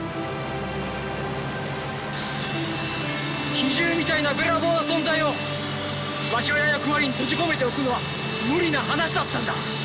奇獣みたいなべらぼうな存在を場所や役割に閉じ込めておくのは無理な話だったんだ。